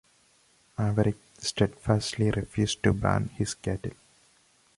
Maverick steadfastly refused to brand his cattle.